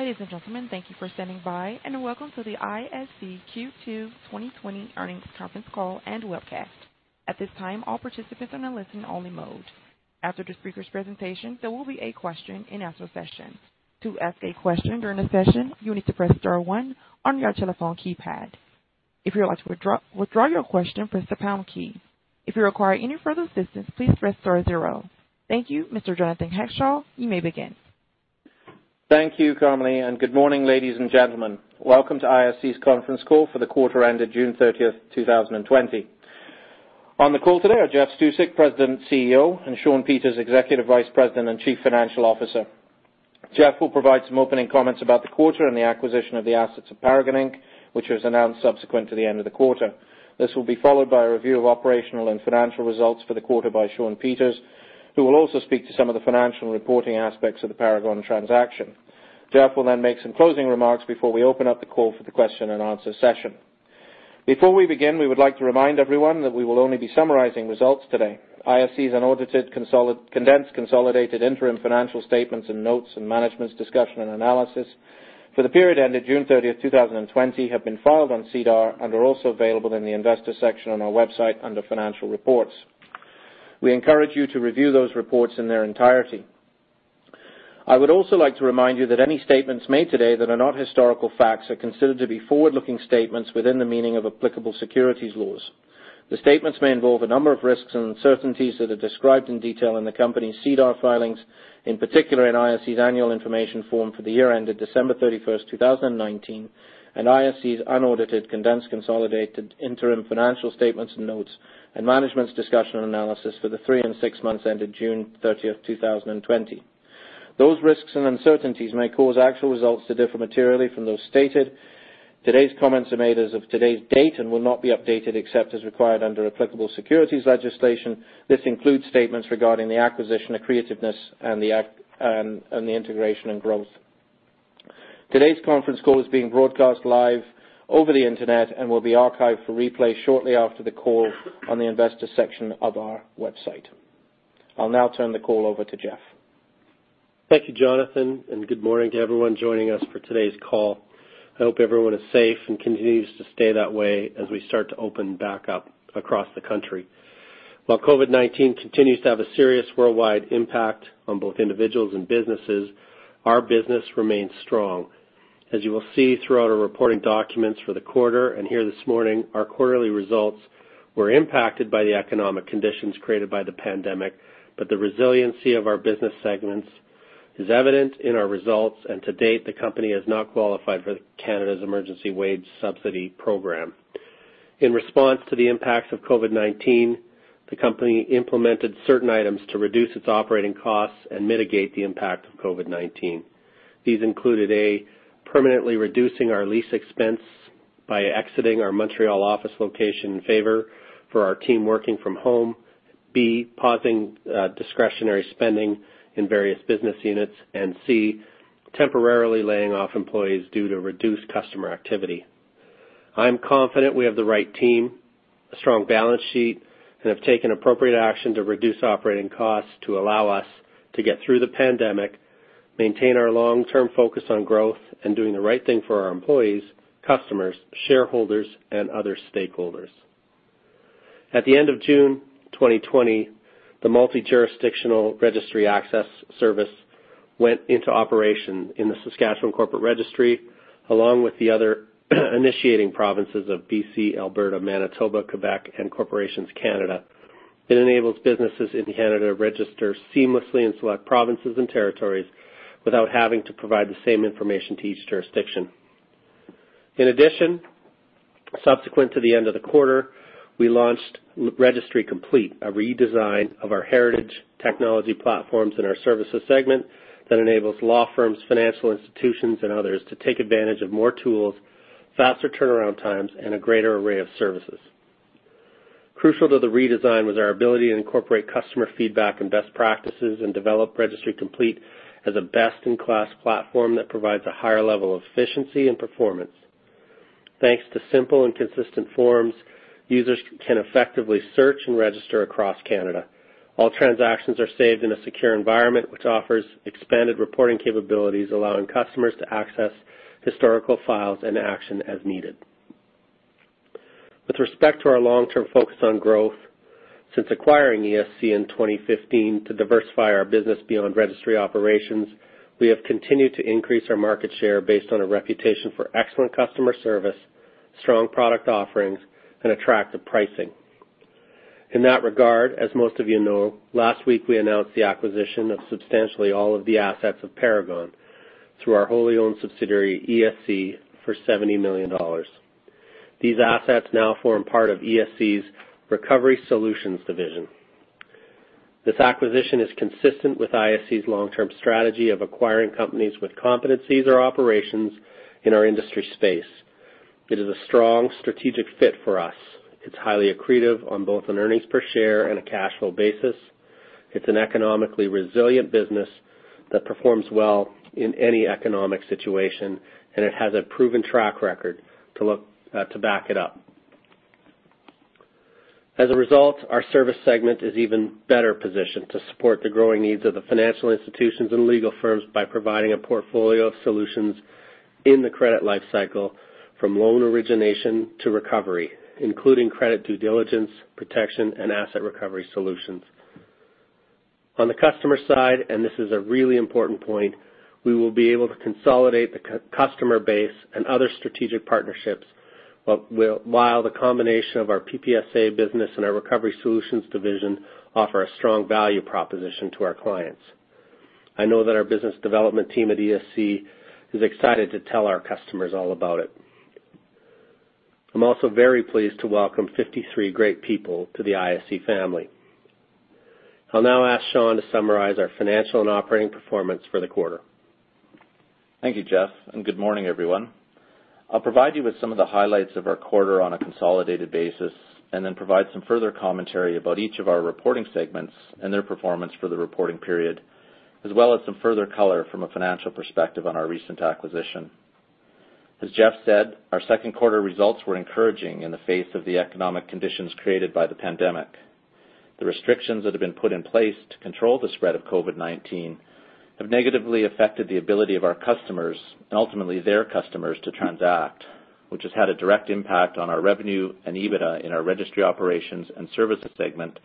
Ladies and gentlemen, thank you for standing by, and welcome to the ISC Q2 2020 earnings conference call and webcast. At this time, all participants are on listen-only mode. After the speaker's presentation, there will be a question-and-answer session. To ask a question during the session, you need to press star one on your telephone keypad. If you are to withdraw your question, press the pound key. If you require any further assistance, please press star zero. Thank you. Mr. Jonathan Hackshaw, you may begin. Thank you, Carmelie. Good morning, ladies and gentlemen. Welcome to ISC's conference call for the quarter ended June 30th, 2020. On the call today are Jeff Stusek, President and CEO, and Shawn Peters, Executive Vice President and Chief Financial Officer. Jeff will provide some opening comments about the quarter and the acquisition of the assets of Paragon Inc., which was announced subsequent to the end of the quarter. This will be followed by a review of operational and financial results for the quarter by Shawn Peters, who will also speak to some of the financial reporting aspects of the Paragon transaction. Jeff will then make some closing remarks before we open up the call for the question and answer session. Before we begin, we would like to remind everyone that we will only be summarizing results today. ISC's unaudited, condensed, consolidated interim financial statements and notes and Management's Discussion and Analysis for the period ended June 30, 2020, have been filed on SEDAR and are also available in the investor section on our website under financial reports. We encourage you to review those reports in their entirety. I would also like to remind you that any statements made today that are not historical facts are considered to be forward-looking statements within the meaning of applicable securities laws. The statements may involve a number of risks and uncertainties that are described in detail in the company's SEDAR filings, in particular in ISC's annual information form for the year ended December 31, 2019, and ISC's unaudited, condensed, consolidated interim financial statements and notes and Management's Discussion and Analysis for the three and six months ended June 30, 2020. Those risks and uncertainties may cause actual results to differ materially from those stated. Today's comments are made as of today's date and will not be updated except as required under applicable securities legislation. This includes statements regarding the acquisition accretiveness and the integration and growth. Today's conference call is being broadcast live over the internet and will be archived for replay shortly after the call on the investor section of our website. I'll now turn the call over to Jeff. Thank you, Jonathan, and good morning to everyone joining us for today's call. I hope everyone is safe and continues to stay that way as we start to open back up across the country. While COVID-19 continues to have a serious worldwide impact on both individuals and businesses, our business remains strong. As you will see throughout our reporting documents for the quarter and hear this morning, our quarterly results were impacted by the economic conditions created by the pandemic, but the resiliency of our business segments is evident in our results, and to date, the company has not qualified for Canada Emergency Wage Subsidy program. In response to the impacts of COVID-19, the company implemented certain items to reduce its operating costs and mitigate the impact of COVID-19. These included, A, permanently reducing our lease expense by exiting our Montreal office location in favor for our team working from home, B, pausing discretionary spending in various business units, and C, temporarily laying off employees due to reduced customer activity. I'm confident we have the right team, a strong balance sheet, and have taken appropriate action to reduce operating costs to allow us to get through the pandemic, maintain our long-term focus on growth, and doing the right thing for our employees, customers, shareholders, and other stakeholders. At the end of June 2020, the multi-jurisdictional registry access service went into operation in the Saskatchewan Corporate Registry, along with the other initiating provinces of BC, Alberta, Manitoba, Quebec, and Corporations Canada. It enables businesses in Canada to register seamlessly in select provinces and territories without having to provide the same information to each jurisdiction. In addition, subsequent to the end of the quarter, we launched Registry Complete, a redesign of our heritage technology platforms in our services segment that enables law firms, financial institutions, and others to take advantage of more tools, faster turnaround times, and a greater array of services. Crucial to the redesign was our ability to incorporate customer feedback and best practices and develop Registry Complete as a best-in-class platform that provides a higher level of efficiency and performance. Thanks to simple and consistent forms, users can effectively search and register across Canada. All transactions are saved in a secure environment, which offers expanded reporting capabilities, allowing customers to access historical files and action as needed. With respect to our long-term focus on growth, since acquiring ESC in 2015 to diversify our business beyond registry operations, we have continued to increase our market share based on a reputation for excellent customer service, strong product offerings, and attractive pricing. In that regard, as most of you know, last week, we announced the acquisition of substantially all of the assets of Paragon through our wholly owned subsidiary, ESC, for 70 million dollars. These assets now form part of ESC's Recovery Solutions division. This acquisition is consistent with ISC's long-term strategy of acquiring companies with competencies or operations in our industry space. It is a strong strategic fit for us. It's highly accretive on both an earnings per share and a cash flow basis. It's an economically resilient business that performs well in any economic situation, and it has a proven track record to back it up. As a result, our service segment is even better positioned to support the growing needs of the financial institutions and legal firms by providing a portfolio of solutions in the credit life cycle from loan origination to recovery, including credit due diligence, protection and asset recovery solutions. On the customer side, and this is a really important point, we will be able to consolidate the customer base and other strategic partnerships, while the combination of our PPSA business and our Recovery Solutions division offer a strong value proposition to our clients. I know that our business development team at ISC is excited to tell our customers all about it. I'm also very pleased to welcome 53 great people to the ISC family. I'll now ask Shawn to summarize our financial and operating performance for the quarter. Thank you, Jeff. Good morning, everyone. I'll provide you with some of the highlights of our quarter on a consolidated basis, and then provide some further commentary about each of our reporting segments and their performance for the reporting period, as well as some further color from a financial perspective on our recent acquisition. As Jeff said, our second quarter results were encouraging in the face of the economic conditions created by the pandemic. The restrictions that have been put in place to control the spread of COVID-19 have negatively affected the ability of our customers, and ultimately their customers, to transact, which has had a direct impact on our revenue and EBITDA in our registry operations and services segment,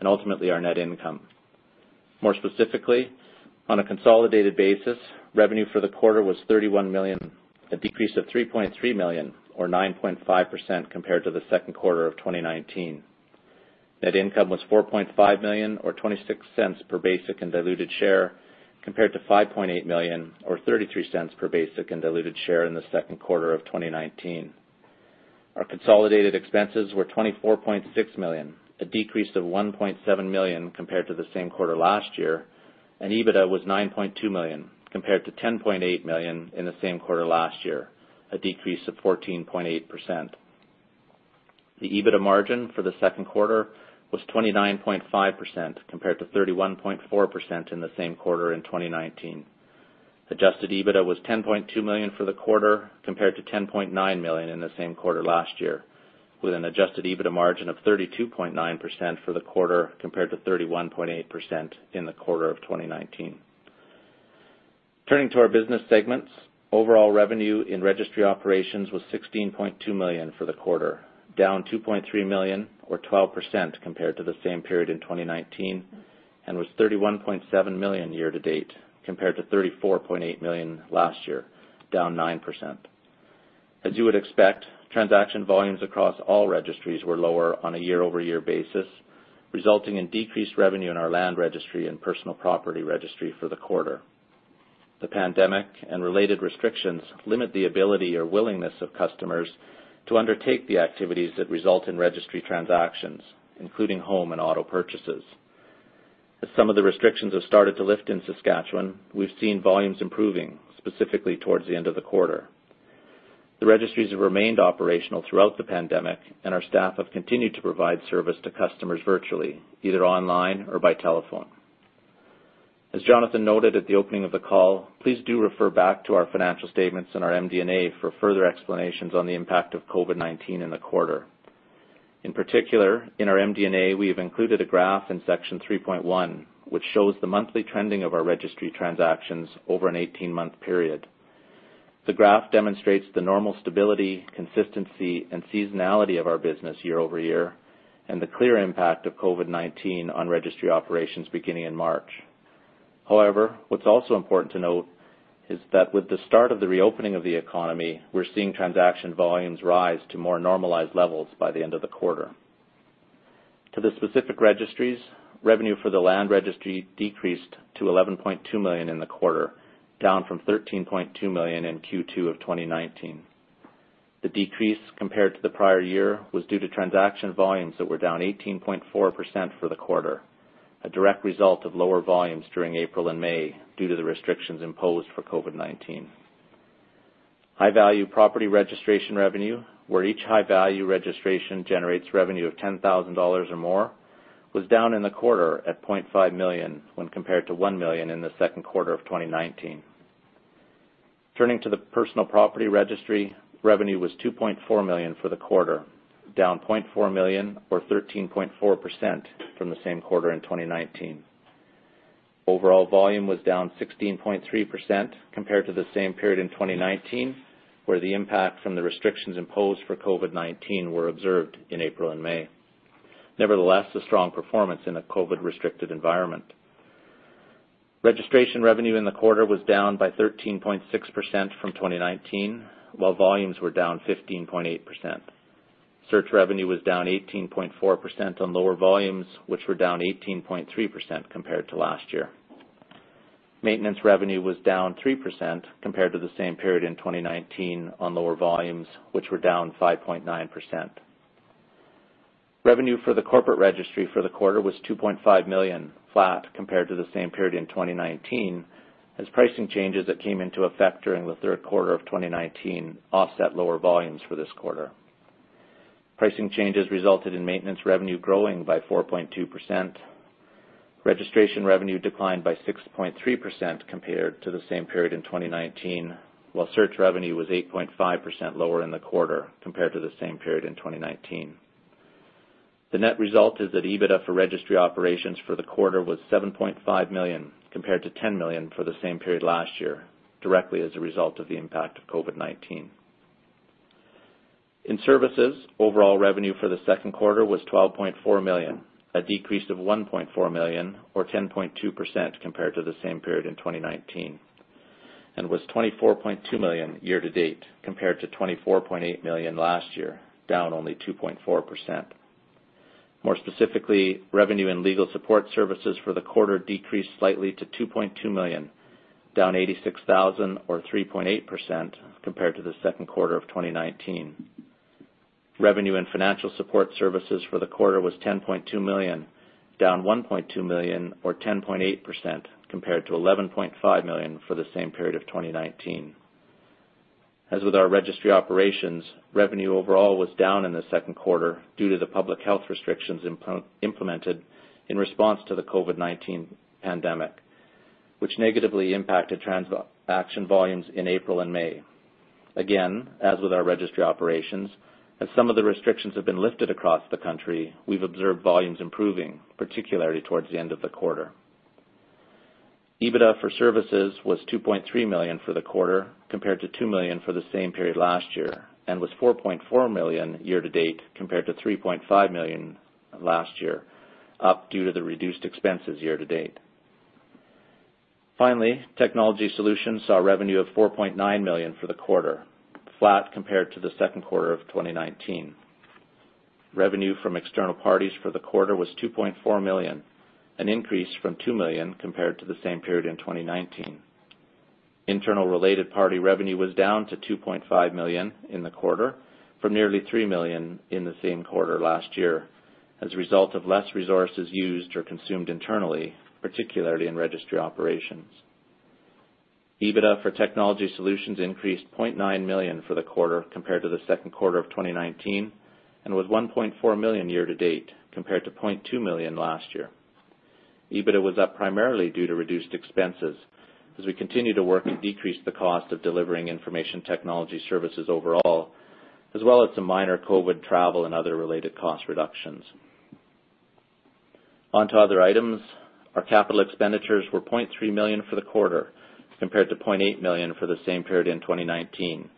and ultimately, our net income. More specifically, on a consolidated basis, revenue for the quarter was 31 million, a decrease of 3.3 million or 9.5% compared to the second quarter of 2019. Net income was 4.5 million or 0.26 per basic and diluted share compared to 5.8 million or 0.33 per basic and diluted share in the second quarter of 2019. Our consolidated expenses were CAD 24.6 million, a decrease of CAD 1.7 million compared to the same quarter last year. EBITDA was CAD 9.2 million compared to CAD 10.8 million in the same quarter last year, a decrease of 14.8%. The EBITDA margin for the second quarter was 29.5% compared to 31.4% in the same quarter in 2019. Adjusted EBITDA was 10.2 million for the quarter compared to 10.9 million in the same quarter last year, with an adjusted EBITDA margin of 32.9% for the quarter compared to 31.8% in the quarter of 2019. Turning to our business segments, overall revenue in registry operations was 16.2 million for the quarter, down 2.3 million or 12% compared to the same period in 2019, and was 31.7 million year-to-date, compared to 34.8 million last year, down 9%. As you would expect, transaction volumes across all registries were lower on a year-over-year basis, resulting in decreased revenue in our land registry and personal property registry for the quarter. The pandemic and related restrictions limit the ability or willingness of customers to undertake the activities that result in registry transactions, including home and auto purchases. As some of the restrictions have started to lift in Saskatchewan, we've seen volumes improving, specifically towards the end of the quarter. The registries have remained operational throughout the pandemic, and our staff have continued to provide service to customers virtually, either online or by telephone. As Jonathan noted at the opening of the call, please do refer back to our financial statements and our MD&A for further explanations on the impact of COVID-19 in the quarter. In particular, in our MD&A, we have included a graph in Section 3.1, which shows the monthly trending of our registry transactions over an 18-month period. The graph demonstrates the normal stability, consistency and seasonality of our business year-over-year, and the clear impact of COVID-19 on registry operations beginning in March. What's also important to note is that with the start of the reopening of the economy, we're seeing transaction volumes rise to more normalized levels by the end of the quarter. To the specific registries, revenue for the land registry decreased to 11.2 million in the quarter, down from 13.2 million in Q2 of 2019. The decrease compared to the prior year was due to transaction volumes that were down 18.4% for the quarter, a direct result of lower volumes during April and May due to the restrictions imposed for COVID-19. High-value property registration revenue where each high-value registration generates revenue of 10,000 dollars or more, was down in the quarter at 0.5 million when compared to 1 million in the second quarter of 2019. Turning to the personal property registry, revenue was 2.4 million for the quarter, down 0.4 million or 13.4% from the same quarter in 2019. Overall volume was down 16.3% compared to the same period in 2019, where the impact from the restrictions imposed for COVID-19 were observed in April and May. Nevertheless, a strong performance in a COVID-19 restricted environment. Registration revenue in the quarter was down by 13.6% from 2019, while volumes were down 15.8%. Search revenue was down 18.4% on lower volumes, which were down 18.3% compared to last year. Maintenance revenue was down 3% compared to the same period in 2019 on lower volumes, which were down 5.9%. Revenue for the corporate registry for the quarter was 2.5 million, flat compared to the same period in 2019, as pricing changes that came into effect during the third quarter of 2019 offset lower volumes for this quarter. Pricing changes resulted in maintenance revenue growing by 4.2%. Registration revenue declined by 6.3% compared to the same period in 2019, while search revenue was 8.5% lower in the quarter compared to the same period in 2019. The net result is that EBITDA for registry operations for the quarter was 7.5 million, compared to 10 million for the same period last year, directly as a result of the impact of COVID-19. In services, overall revenue for the second quarter was CAD 12.4 million, a decrease of CAD 1.4 million or 10.2% compared to the same period in 2019, and was CAD 24.2 million year-to-date, compared to CAD 24.8 million last year, down only 2.4%. More specifically, revenue and legal support services for the quarter decreased slightly to 2.2 million, down 86,000 or 3.8% compared to the second quarter of 2019. Revenue and financial support services for the quarter was 10.2 million, down 1.2 million or 10.8%, compared to 11.5 million for the same period of 2019. As with our registry operations, revenue overall was down in the second quarter due to the public health restrictions implemented in response to the COVID-19 pandemic, which negatively impacted transaction volumes in April and May. Again, as with our registry operations, as some of the restrictions have been lifted across the country, we've observed volumes improving, particularly towards the end of the quarter. EBITDA for services was 2.3 million for the quarter, compared to 2 million for the same period last year, and was 4.4 million year-to-date compared to 3.5 million last year, up due to the reduced expenses year-to-date. Finally, Technology Solutions saw revenue of 4.9 million for the quarter, flat compared to the second quarter of 2019. Revenue from external parties for the quarter was 2.4 million, an increase from 2 million compared to the same period in 2019. Internal related party revenue was down to 2.5 million in the quarter from nearly 3 million in the same quarter last year as a result of less resources used or consumed internally, particularly in registry operations. EBITDA for Technology Solutions increased 0.9 million for the quarter compared to the second quarter of 2019, and was 1.4 million year to date compared to 0.2 million last year. EBITDA was up primarily due to reduced expenses as we continue to work to decrease the cost of delivering information technology services overall, as well as some minor COVID-19 travel and other related cost reductions. On to other items. Our capital expenditures were 0.3 million for the quarter, compared to 0.8 million for the same period in 2019.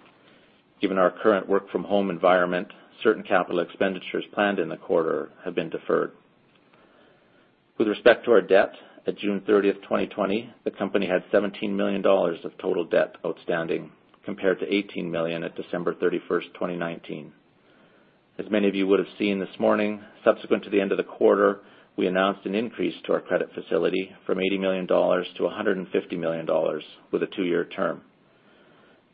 Given our current work from home environment, certain capital expenditures planned in the quarter have been deferred. With respect to our debt, at June 30th, 2020, the company had 17 million dollars of total debt outstanding, compared to 18 million at December 31st, 2019. As many of you would've seen this morning, subsequent to the end of the quarter, we announced an increase to our credit facility from 80 million dollars to 150 million dollars with a two-year term.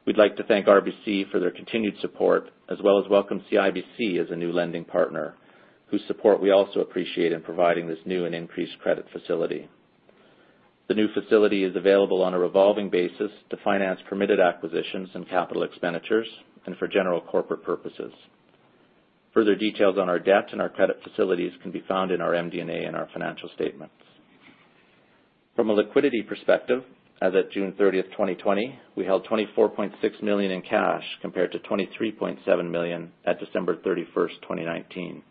We'd like to thank RBC for their continued support, as well as welcome CIBC as a new lending partner, whose support we also appreciate in providing this new and increased credit facility. The new facility is available on a revolving basis to finance permitted acquisitions and capital expenditures and for general corporate purposes. Further details on our debt and our credit facilities can be found in our MD&A and our financial statements. From a liquidity perspective, as at June 30th, 2020, we held 24.6 million in cash, compared to 23.7 million at December 31st, 2019.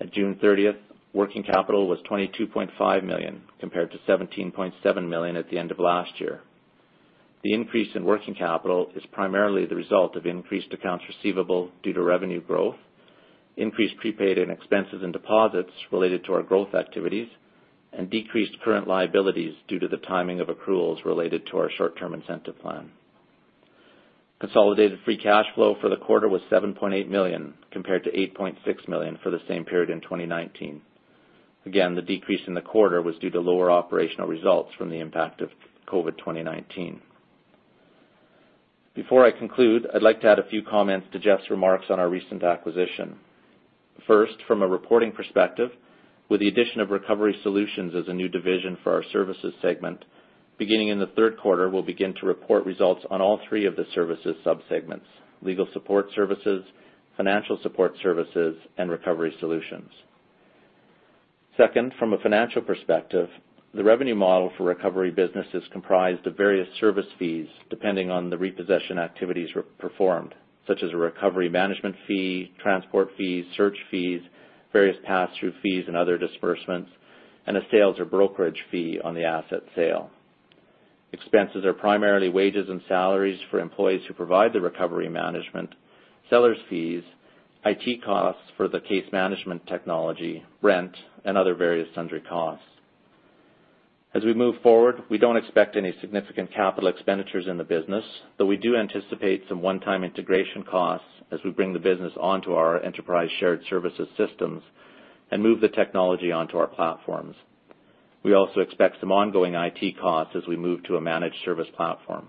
At June 30th, working capital was 22.5 million compared to 17.7 million at the end of last year. The increase in working capital is primarily the result of increased accounts receivable due to revenue growth, increased prepaid and expenses and deposits related to our growth activities, and decreased current liabilities due to the timing of accruals related to our short-term incentive plan. Consolidated free cash flow for the quarter was 7.8 million, compared to 8.6 million for the same period in 2019. The decrease in the quarter was due to lower operational results from the impact of COVID-19. Before I conclude, I'd like to add a few comments to Jeff's remarks on our recent acquisition. First, from a reporting perspective, with the addition of Recovery Solutions as a new division for our services segment, beginning in the third quarter, we'll begin to report results on all three of the services subsegments, legal support services, financial support services, and Recovery Solutions. Second, from a financial perspective, the revenue model for recovery business is comprised of various service fees depending on the repossession activities performed, such as a recovery management fee, transport fees, search fees, various pass-through fees, and other disbursements, and a sales or brokerage fee on the asset sale. Expenses are primarily wages and salaries for employees who provide the recovery management, sellers fees, IT costs for the case management technology, rent, and other various sundry costs. As we move forward, we don't expect any significant capital expenditures in the business, but we do anticipate some one-time integration costs as we bring the business onto our enterprise shared services systems and move the technology onto our platforms. We also expect some ongoing IT costs as we move to a managed service platform.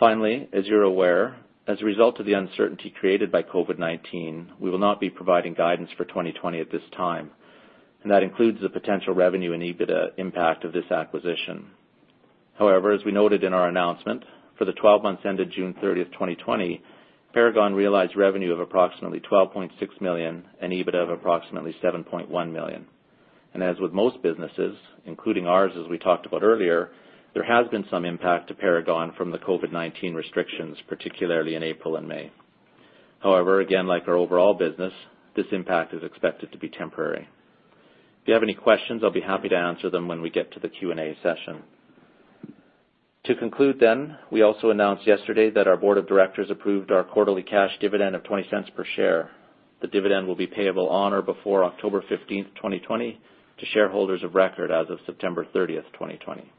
Finally, as you're aware, as a result of the uncertainty created by COVID-19, we will not be providing guidance for 2020 at this time, and that includes the potential revenue and EBITDA impact of this acquisition. As we noted in our announcement, for the 12 months ended June 30th, 2020, Paragon realized revenue of approximately 12.6 million and EBIT of approximately 7.1 million. As with most businesses, including ours, as we talked about earlier, there has been some impact to Paragon from the COVID-19 restrictions, particularly in April and May. Again, like our overall business, this impact is expected to be temporary. If you have any questions, I will be happy to answer them when we get to the Q&A session. To conclude, we also announced yesterday that our board of directors approved our quarterly cash dividend of 0.20 per share. The dividend will be payable on or before October 15th, 2020 to shareholders of record as of September 30th, 2020.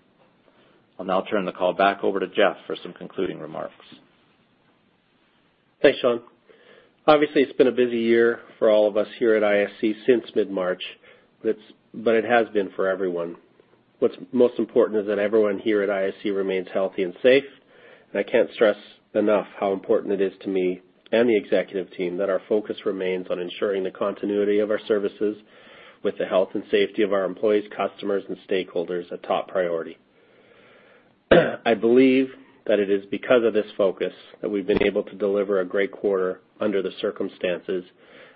I'll now turn the call back over to Jeff for some concluding remarks. Thanks, Shawn. Obviously, it's been a busy year for all of us here at ISC since mid-March, but it has been for everyone. What's most important is that everyone here at ISC remains healthy and safe, and I can't stress enough how important it is to me and the executive team that our focus remains on ensuring the continuity of our services with the health and safety of our employees, customers, and stakeholders a top priority. I believe that it is because of this focus that we've been able to deliver a great quarter under the circumstances,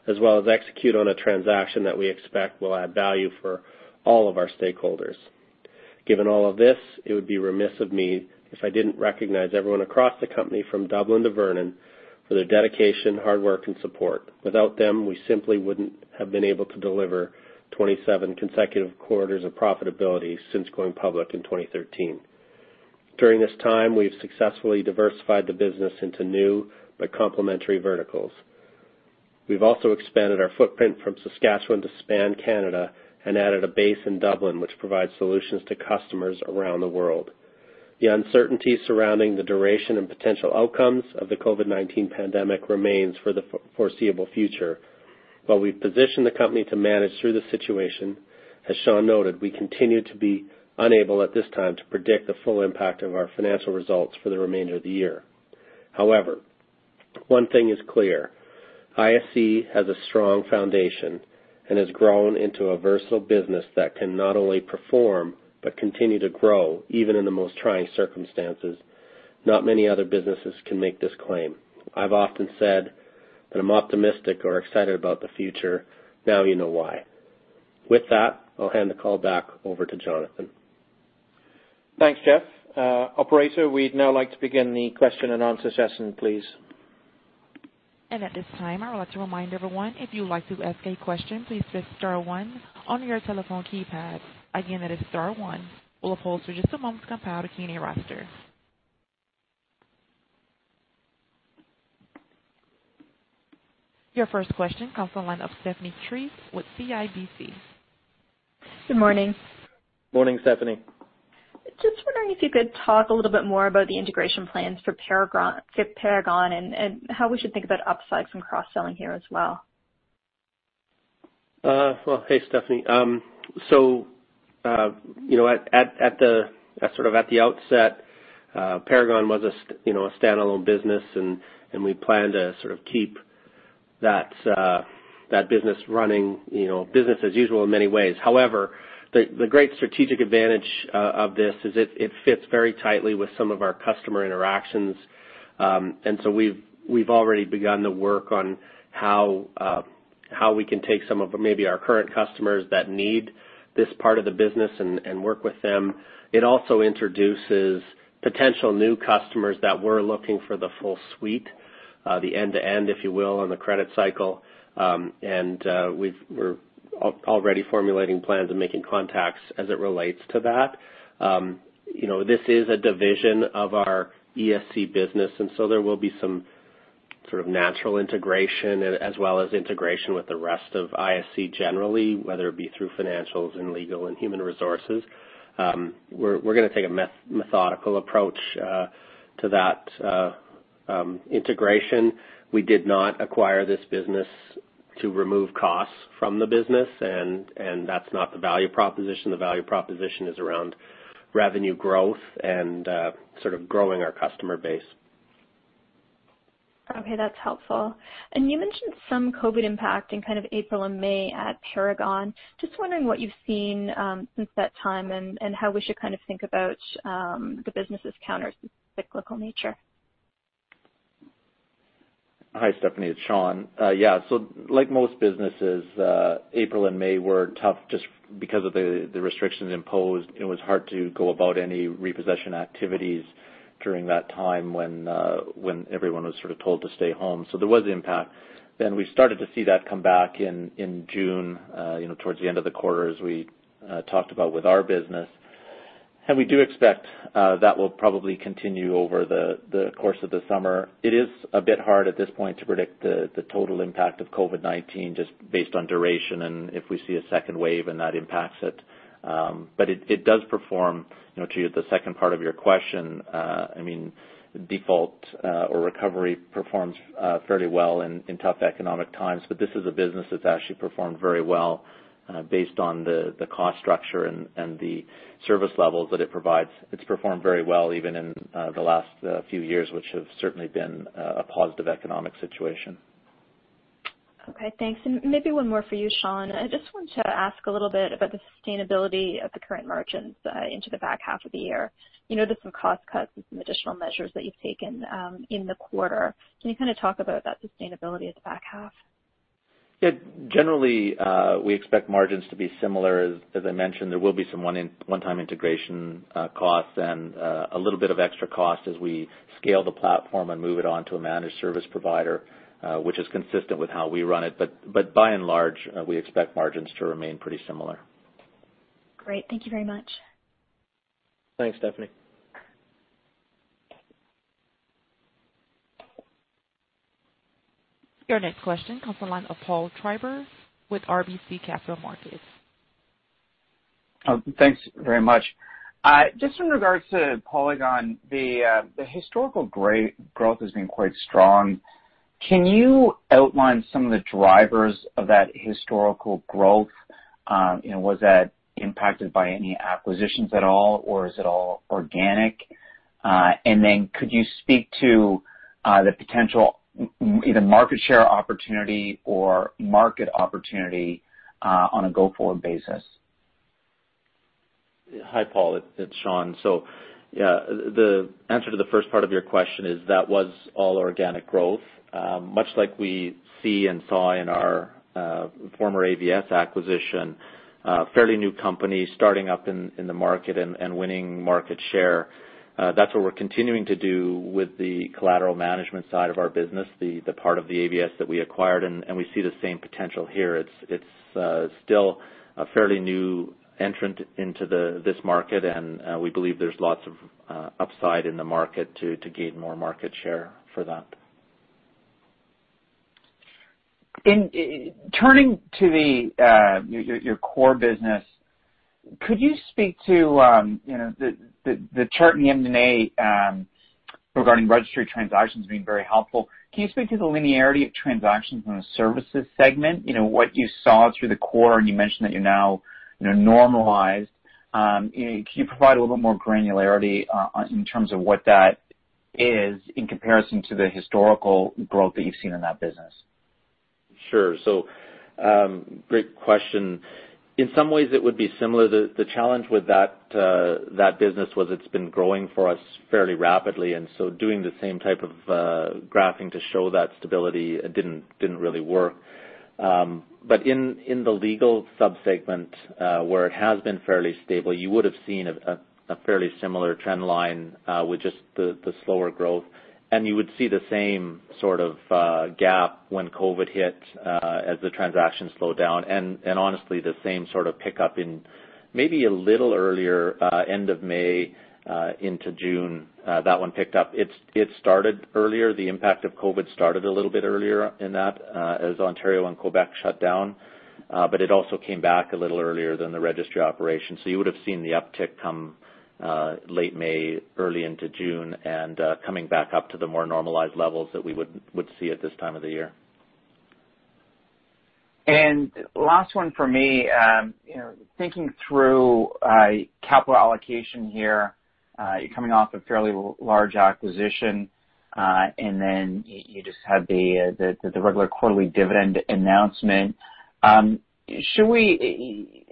as well as execute on a transaction that we expect will add value for all of our stakeholders. Given all of this, it would be remiss of me if I didn't recognize everyone across the company from Dublin to Vernon for their dedication, hard work, and support. Without them, we simply wouldn't have been able to deliver 27 consecutive quarters of profitability since going public in 2013. During this time, we've successfully diversified the business into new but complementary verticals. We've also expanded our footprint from Saskatchewan to span Canada and added a base in Dublin, which provides solutions to customers around the world. The uncertainty surrounding the duration and potential outcomes of the COVID-19 pandemic remains for the foreseeable future. While we've positioned the company to manage through the situation, as Shawn noted, we continue to be unable at this time to predict the full impact of our financial results for the remainder of the year. However, one thing is clear, ISC has a strong foundation and has grown into a versatile business that can not only perform but continue to grow, even in the most trying circumstances. Not many other businesses can make this claim. I've often said that I'm optimistic or excited about the future. Now you know why. With that, I'll hand the call back over to Jonathan. Thanks, Jeff. Operator, we'd now like to begin the question-and-answer session, please. At this time, I would like to remind everyone, if you would like to ask a question, please press star one on your telephone keypad. Again, that is star one. We'll hold for just a moment to compile the Q&A roster. Your first question comes from the line of Stephanie Price with CIBC. Good morning. Morning, Stephanie. Just wondering if you could talk a little bit more about the integration plans for Paragon and how we should think about upsides from cross-selling here as well? Well, hey, Stephanie. At the outset Paragon was a standalone business. We plan to sort of keep that business running, business as usual in many ways. However, the great strategic advantage of this is it fits very tightly with some of our customer interactions. We've already begun the work on how we can take some of maybe our current customers that need this part of the business and work with them. It also introduces potential new customers that were looking for the full suite, the end-to-end, if you will, on the credit cycle. We're already formulating plans and making contacts as it relates to that. This is a division of our ESC business. There will be some sort of natural integration as well as integration with the rest of ISC generally, whether it be through financials and legal and human resources. We're going to take a methodical approach to that integration. We did not acquire this business to remove costs from the business, and that's not the value proposition. The value proposition is around revenue growth and sort of growing our customer base. Okay. That's helpful. You mentioned some COVID impact in kind of April and May at Paragon. I am just wondering what you've seen since that time and how we should kind of think about the business' counter cyclical nature. Hi, Stephanie. It's Shawn. Yeah, like most businesses, April and May were tough just because of the restrictions imposed. It was hard to go about any repossession activities during that time when everyone was sort of told to stay home. There was impact. We started to see that come back in June towards the end of the quarter, as we talked about with our business. We do expect that will probably continue over the course of the summer. It is a bit hard at this point to predict the total impact of COVID-19 just based on duration and if we see a second wave and that impacts it. It does perform, to the second part of your question, default or recovery performs fairly well in tough economic times. This is a business that's actually performed very well based on the cost structure and the service levels that it provides. It's performed very well even in the last few years, which have certainly been a positive economic situation. Okay, thanks. Maybe one more for you, Shawn. I just wanted to ask a little bit about the sustainability of the current margins into the back half of the year. There's some cost cuts and some additional measures that you've taken in the quarter. Can you talk about that sustainability at the back half? Yeah. Generally, we expect margins to be similar. As I mentioned, there will be some one-time integration costs and a little bit of extra cost as we scale the platform and move it on to a managed service provider, which is consistent with how we run it. By and large, we expect margins to remain pretty similar. Great. Thank you very much. Thanks, Stephanie. Your next question comes from the line of Paul Treiber with RBC Capital Markets. Thanks very much. Just in regards to Paragon, the historical growth has been quite strong. Can you outline some of the drivers of that historical growth? Was that impacted by any acquisitions at all, or is it all organic? Then could you speak to the potential, either market share opportunity or market opportunity on a go-forward basis? Hi, Paul, it's Shawn. Yeah, the answer to the first part of your question is that was all organic growth. Much like we see and saw in our former AVS acquisition, fairly new company starting up in the market and winning market share. That's what we're continuing to do with the collateral management side of our business, the part of the AVS that we acquired, and we see the same potential here. It's still a fairly new entrant into this market, and we believe there's lots of upside in the market to gain more market share for that. Turning to your core business. The chart in the MD&A regarding registry transactions is being very helpful. Can you speak to the linearity of transactions in the services segment? What you saw through the quarter, you mentioned that you're now normalized. Can you provide a little more granularity in terms of what that is in comparison to the historical growth that you've seen in that business? Sure. Great question. In some ways, it would be similar. The challenge with that business was it's been growing for us fairly rapidly, doing the same type of graphing to show that stability, it didn't really work. In the legal sub-segment, where it has been fairly stable, you would have seen a fairly similar trend line with just the slower growth. You would see the same sort of gap when COVID-19 hit as the transactions slowed down. Honestly, the same sort of pickup in maybe a little earlier end of May into June. That one picked up. It started earlier. The impact of COVID-19 started a little bit earlier in that as Ontario and Quebec shut down. It also came back a little earlier than the registry operation. You would have seen the uptick come late May, early into June, and coming back up to the more normalized levels that we would see at this time of the year. Last one for me. Thinking through capital allocation here. You're coming off a fairly large acquisition, and then you just had the regular quarterly dividend announcement. Should we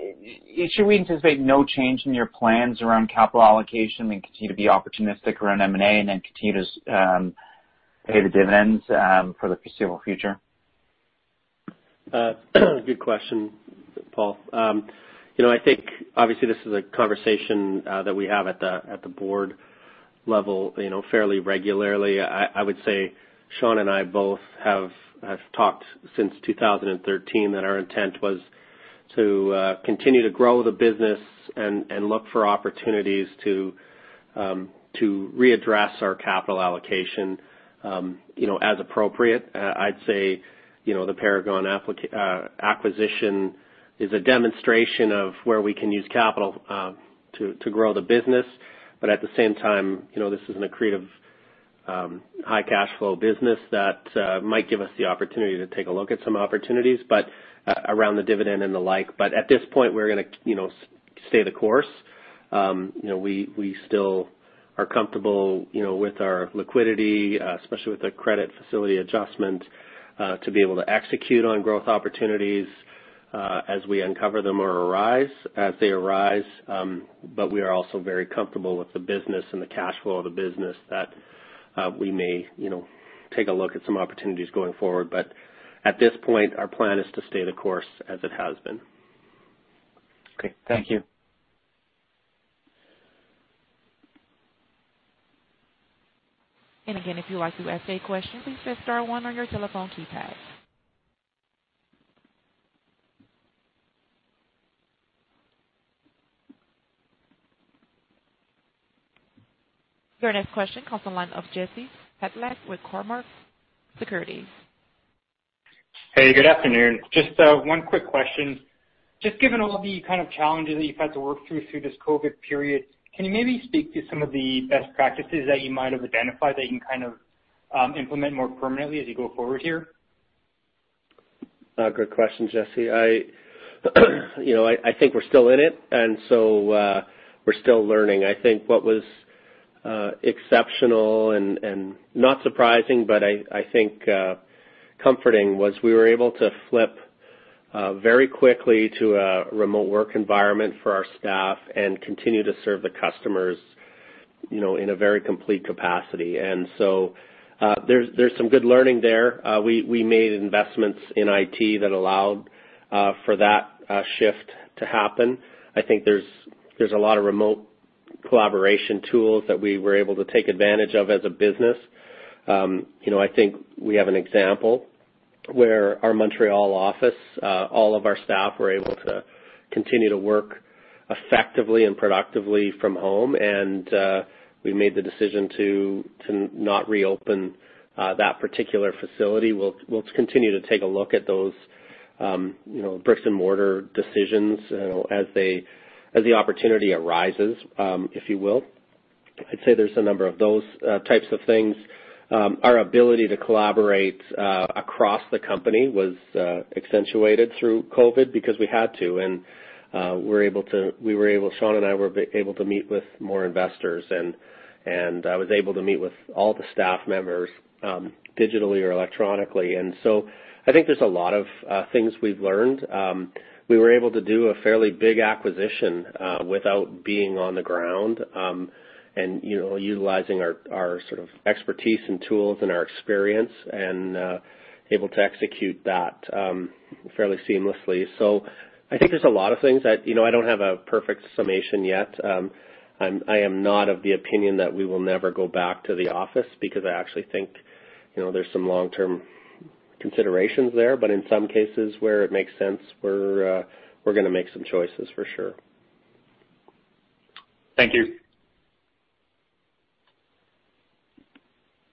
anticipate no change in your plans around capital allocation and continue to be opportunistic around M&A and then continue to pay the dividends for the foreseeable future? Good question, Paul. I think obviously this is a conversation that we have at the board level fairly regularly. I would say Shawn and I both have talked since 2013 that our intent was to continue to grow the business and look for opportunities to readdress our capital allocation as appropriate. I'd say, the Paragon acquisition is a demonstration of where we can use capital to grow the business. At the same time, this is an accretive high cash flow business that might give us the opportunity to take a look at some opportunities, but around the dividend and the like. At this point, we're going to stay the course. We still are comfortable with our liquidity, especially with the credit facility adjustment, to be able to execute on growth opportunities as we uncover them or arise as they arise. We are also very comfortable with the business and the cash flow of the business that we may take a look at some opportunities going forward. At this point, our plan is to stay the course as it has been. Okay. Thank you. Again, if you'd like to ask a question, please press star one on your telephone keypad. Your next question comes in the line of Jesse Pytlak with Cormark Securities. Hey, good afternoon. Just one quick question. Just given all the kind of challenges that you've had to work through through this COVID period, can you maybe speak to some of the best practices that you might have identified that you can implement more permanently as you go forward here? Good question, Jesse. I think we're still in it, and so we're still learning. I think what was. Exceptional and not surprising, but I think comforting was we were able to flip very quickly to a remote work environment for our staff and continue to serve the customers in a very complete capacity. There's some good learning there. We made investments in IT that allowed for that shift to happen. I think there's a lot of remote collaboration tools that we were able to take advantage of as a business. I think we have an example where our Montreal office, all of our staff were able to continue to work effectively and productively from home. We made the decision to not reopen that particular facility. We'll continue to take a look at those brick and mortar decisions as the opportunity arises, if you will. I'd say there's a number of those types of things. Our ability to collaborate across the company was accentuated through COVID-19 because we had to, and Shawn and I were able to meet with more investors, and I was able to meet with all the staff members digitally or electronically. I think there's a lot of things we've learned. We were able to do a fairly big acquisition without being on the ground, and utilizing our expertise and tools and our experience, and able to execute that fairly seamlessly. I think there's a lot of things that I don't have a perfect summation yet. I am not of the opinion that we will never go back to the office because I actually think there's some long-term considerations there. In some cases where it makes sense, we're going to make some choices for sure. Thank you.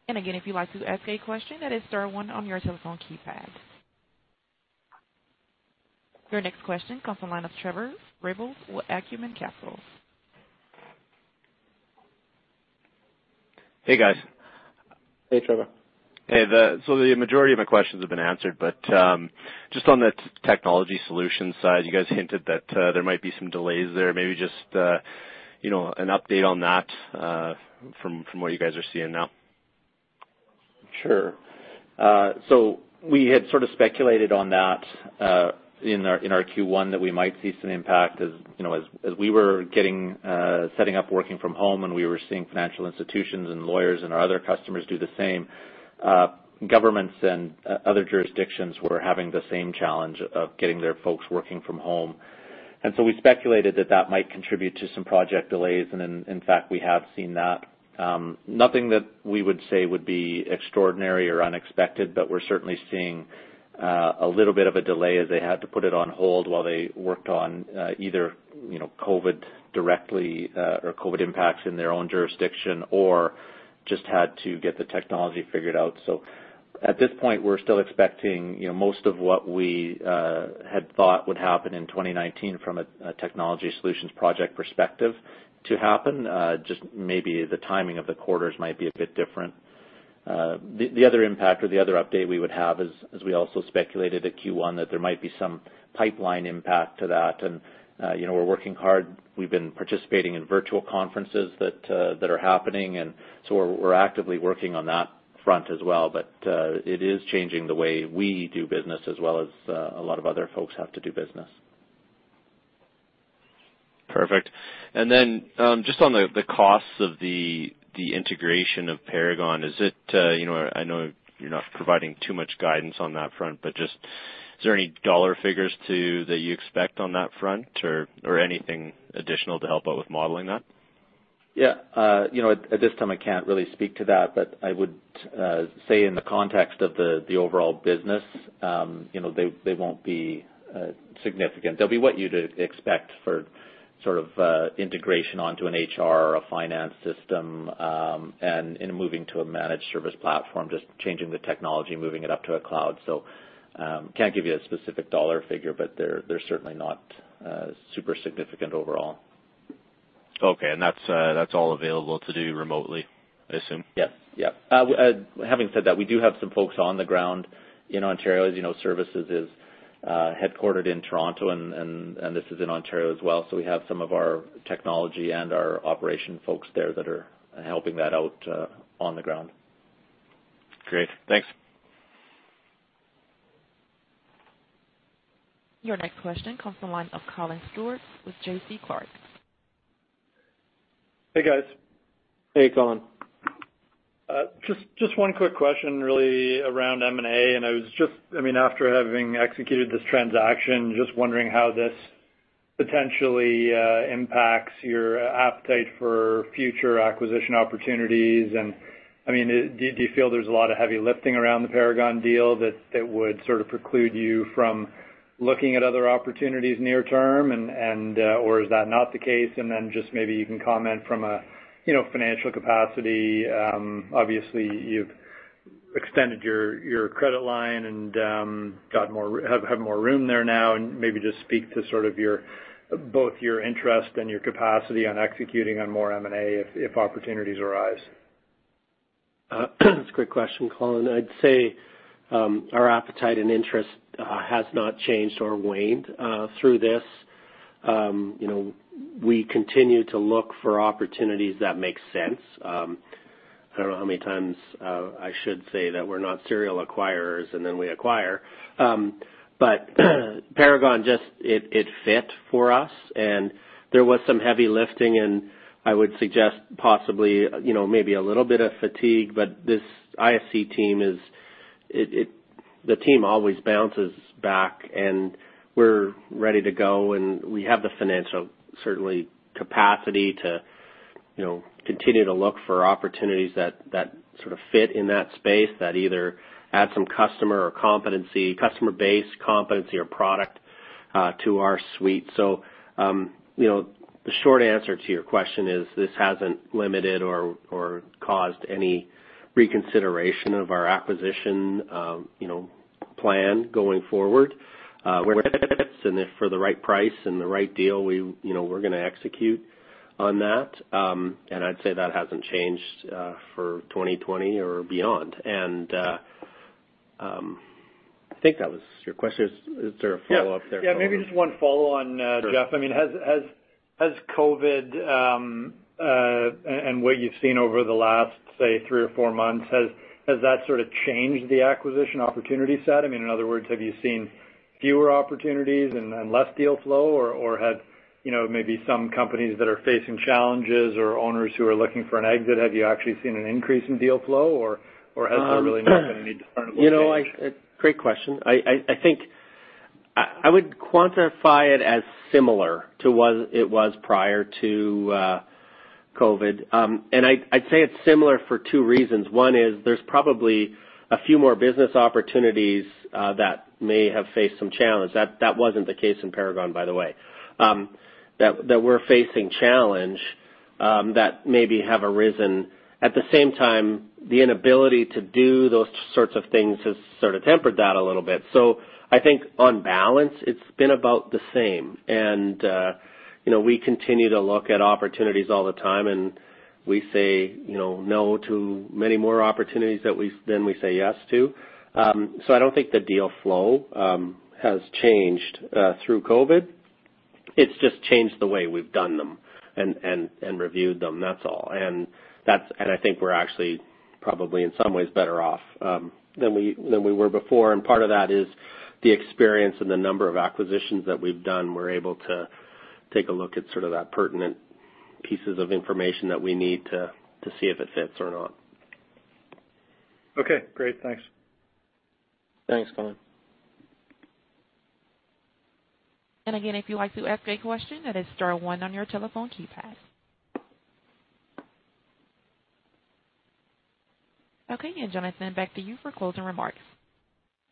Again, if you'd like to ask a question, that is star one on your telephone keypad. Your next question comes from the line of Trevor Reynolds with Acumen Capital. Hey, guys. Hey, Trevor. Hey. The majority of my questions have been answered, but just on the technology solutions side, you guys hinted that there might be some delays there. Maybe just an update on that from what you guys are seeing now. Sure. We had sort of speculated on that in our Q1 that we might see some impact as we were setting up working from home, and we were seeing financial institutions and lawyers and our other customers do the same. Governments and other jurisdictions were having the same challenge of getting their folks working from home. We speculated that that might contribute to some project delays, and in fact, we have seen that. Nothing that we would say would be extraordinary or unexpected, but we're certainly seeing a little bit of a delay as they had to put it on hold while they worked on either COVID directly or COVID impacts in their own jurisdiction, or just had to get the technology figured out. At this point, we're still expecting most of what we had thought would happen in 2019 from a technology solutions project perspective to happen. Just maybe the timing of the quarters might be a bit different. The other impact or the other update we would have is, as we also speculated at Q1, that there might be some pipeline impact to that. We're working hard. We've been participating in virtual conferences that are happening, we're actively working on that front as well. It is changing the way we do business as well as a lot of other folks have to do business. Perfect. Just on the costs of the integration of Paragon. I know you're not providing too much guidance on that front, but just is there any dollar figures, too, that you expect on that front or anything additional to help out with modeling that? Yeah. At this time, I can't really speak to that, but I would say in the context of the overall business, they won't be significant. They'll be what you'd expect for sort of integration onto an HR or a finance system, and moving to a managed service platform, just changing the technology, moving it up to a cloud. Can't give you a specific dollar figure, but they're certainly not super significant overall. Okay. That's all available to do remotely, I assume? Yes. Having said that, we do have some folks on the ground in Ontario. As you know, Services is headquartered in Toronto, and this is in Ontario as well. We have some of our technology and our operation folks there that are helping that out on the ground. Great. Thanks. Your next question comes from the line of Colin Stewart with JC Clark. Hey, guys. Hey, Colin. Just one quick question really around M&A, after having executed this transaction, just wondering how this potentially impacts your appetite for future acquisition opportunities. Do you feel there's a lot of heavy lifting around the Paragon deal that would sort of preclude you from looking at other opportunities near term, or is that not the case? Just maybe you can comment from a financial capacity. Obviously you've extended your credit line and have more room there now, and maybe just speak to sort of both your interest and your capacity on executing on more M&A if opportunities arise. That's a great question, Colin. I'd say our appetite and interest has not changed or waned through this. We continue to look for opportunities that make sense. I don't know how many times I should say that we're not serial acquirers, and then we acquire. Paragon, it fit for us. There was some heavy lifting, and I would suggest possibly, maybe a little bit of fatigue, but this ISC team always bounces back, and we're ready to go. We have the financial, certainly, capacity to continue to look for opportunities that sort of fit in that space, that either add some customer or competency, customer base competency or product to our suite. The short answer to your question is, this hasn't limited or caused any reconsideration of our acquisition plan going forward. We're and if for the right price and the right deal, we're going to execute on that. I'd say that hasn't changed for 2020 or beyond. I think that was your question. Is there a follow-up there? Yeah. Maybe just one follow-on, Jeff. Sure. Has COVID, and what you've seen over the last, say, three or four months, has that sort of changed the acquisition opportunity set? In other words, have you seen fewer opportunities and less deal flow? Or have maybe some companies that are facing challenges or owners who are looking for an exit, have you actually seen an increase in deal flow or has that really not been a need to start looking? Great question. I think I would quantify it as similar to what it was prior to COVID. I'd say it's similar for two reasons. One is there's probably a few more business opportunities that may have faced some challenge. That wasn't the case in Paragon, by the way. That were facing challenge, that maybe have arisen. At the same time, the inability to do those sorts of things has sort of tempered that a little bit. I think on balance, it's been about the same. We continue to look at opportunities all the time, and we say no to many more opportunities than we say yes to. I don't think the deal flow has changed through COVID. It's just changed the way we've done them and reviewed them. That's all. I think we're actually probably in some ways better off than we were before. Part of that is the experience and the number of acquisitions that we've done. We're able to take a look at sort of that pertinent pieces of information that we need to see if it fits or not. Okay, great. Thanks. Thanks, Colin. Again, if you'd like to ask a question, that is star one on your telephone keypad. Okay. Jonathan, back to you for closing remarks.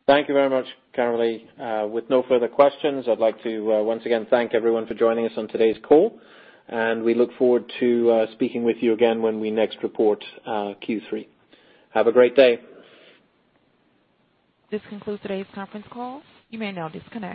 Thank you very much, Carmelie. With no further questions, I'd like to once again thank everyone for joining us on today's call, and we look forward to speaking with you again when we next report Q3. Have a great day. This concludes today's conference call. You may now disconnect.